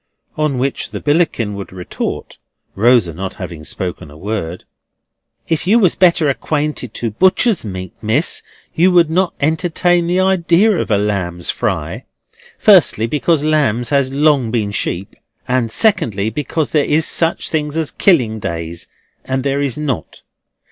On which the Billickin would retort (Rosa not having spoken a word), "If you was better accustomed to butcher's meat, Miss, you would not entertain the idea of a lamb's fry. Firstly, because lambs has long been sheep, and secondly, because there is such things as killing days, and there is not.